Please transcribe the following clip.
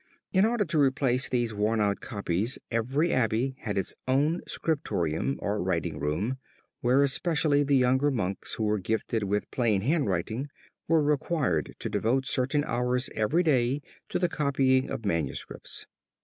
In order to replace these worn out copies every abbey had its own scriptorium or writing room, where especially the younger monks who were gifted with plain handwriting were required to devote certain hours every day to the copying of manuscripts.